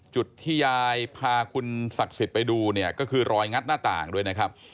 จุดที่ยายพาคุณศักดิ์สิทธิ์ไปดูเนี่ยก็คือรอยงัดหน้าต่างด้วยนะครับ